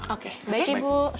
oke baik ibu